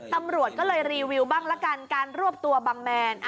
ตำรวจก็เลยรีวิวบ้างละกันการรวบตัวบังแมน